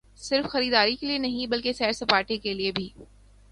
صرف خریداری کیلئے نہیں بلکہ سیر سپاٹے کیلئے بھی۔